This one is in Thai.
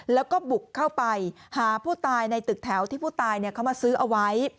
แล้วก็บุกเข้าไปหาผู้ตายในตึกแถวที่ผู้ตายเขามาซื้อเอาไว้